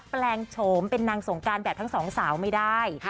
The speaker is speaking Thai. แปลงโฉมเป็นนางสงการแบบทั้งสองสาวไม่ได้